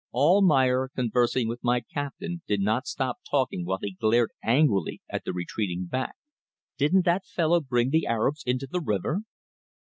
Almayer conversing with my captain did not stop talking while he glared angrily at the retreating back. Didn't that fellow bring the Arabs into the river!